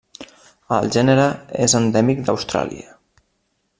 El gènere és endèmic d'Austràlia.